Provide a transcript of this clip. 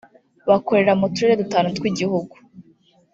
bakorera mu turere dutanu tw’igihugu